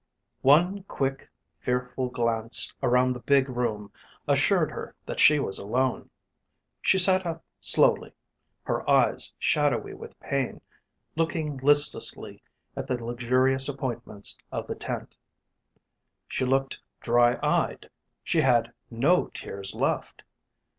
One quick, fearful glance around the big room assured her that she was alone. She sat up slowly, her eyes shadowy with pain, looking listlessly at the luxurious appointments of the tent. She looked dry eyed, she had no tears left.